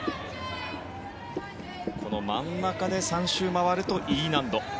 真ん中で３周回るとＥ難度。